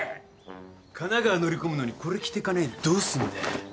神奈川乗り込むのにこれ着てかねえでどうすんだ。